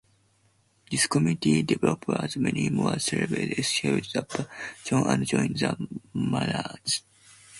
This community developed as many more slaves escaped the plantations and joined the Maroons.